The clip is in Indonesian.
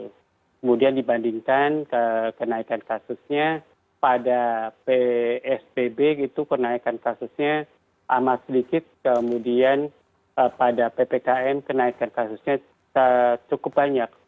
kemudian dibandingkan kenaikan kasusnya pada psbb itu kenaikan kasusnya amat sedikit kemudian pada ppkm kenaikan kasusnya cukup banyak